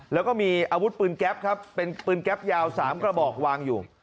แล้วก็มีอาวุธปืนแก๊ปครับเป็นปืนแก๊ปยาว๓กระบอกวางอยู่